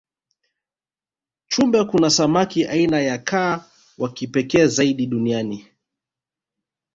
chumbe kuna samaki aina ya kaa wakipekee zaidi duniani